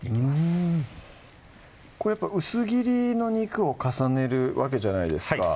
うんこれやっぱ薄切りの肉を重ねるわけじゃないですか